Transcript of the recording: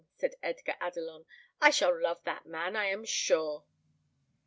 said Edgar Adelon; "I shall love that man, I am sure."